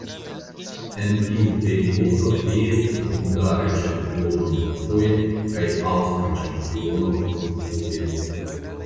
En tiu periodo li estis hungara ĉampiono dufoje kaj aŭstra ĉampiono unufoje.